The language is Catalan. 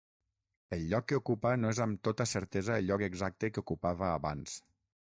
El lloc que ocupa, no és amb tota certesa el lloc exacte que ocupava abans.